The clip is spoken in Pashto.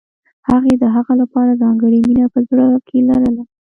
هغې د هغه لپاره ځانګړې مینه په زړه کې لرله